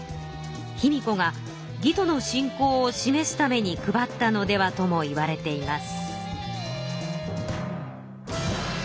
卑弥呼が魏との親交を示すために配ったのではともいわれています。